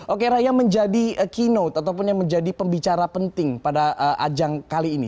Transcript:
oke raya menjadi keynote ataupun yang menjadi pembicara penting pada ajang kali ini